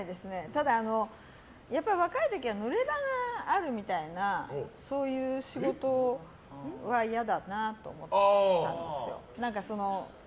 ただ、やっぱり若い時は濡れ場があるみたいなそういう仕事は嫌だなと思ったんです。